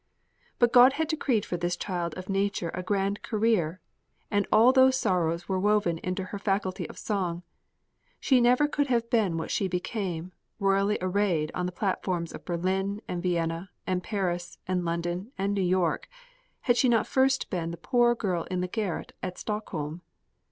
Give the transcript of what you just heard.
But God had decreed for this child of nature a grand career, and all those sorrows were woven into her faculty of song. She never could have been what she became, royally arrayed on the platforms of Berlin and Vienna and Paris and London and New York, had she not first been the poor girl in the garret at Stockholm.